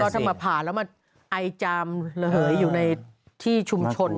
มันก็ทำมาผ่านแล้วมาอายจามเหยอยู่ในที่ชุมชน